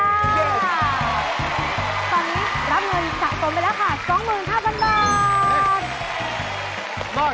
ตอนนี้รับเงินสะสมไปแล้วค่ะ๒๕๐๐๐บาท